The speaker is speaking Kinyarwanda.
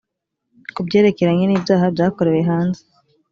ku byerekeranye n ibyaha byakorewe hanze